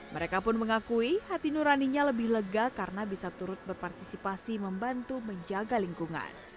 mereka pun mengakui hati nuraninya lebih lega karena bisa turut berpartisipasi membantu menjaga lingkungan